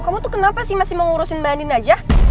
kamu tuh kenapa sih masih mengurusin ngema andin aja